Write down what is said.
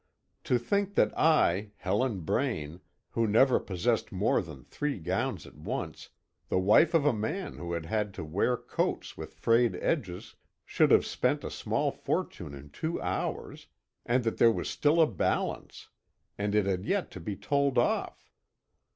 To think that I, Helen Braine, who never possessed more than three gowns at once, the wife of a man who had had to wear coats with frayed edges, should have spent a small fortune in two hours, and that there was still a "balance"! And it had yet to be told of!